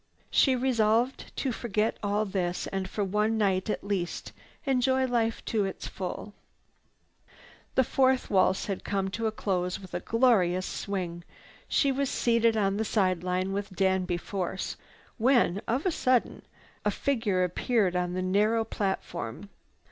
She resolved to forget all this and, for one night at least, enjoy life to its full. The fourth waltz had come to a close with a glorious swing. She was seated on the side line with Danby Force when, of a sudden, a figure appeared on the narrow platform.